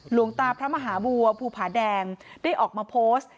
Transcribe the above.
หลวงตาพระมหาบัวภูผาแดงได้ออกมาโพสต์